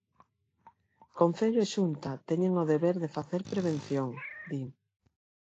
Concello e Xunta teñen o deber de facer prevención, di.